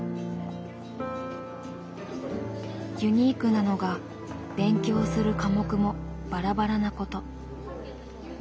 ユニークなのが勉強する科目もバラバラなこと。